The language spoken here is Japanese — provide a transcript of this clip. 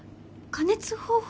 加熱方法？